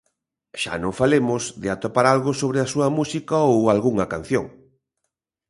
Xa non falemos de atopar algo sobre a súa música ou algunha canción.